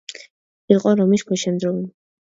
იყო რომის ქვეშევრდომი.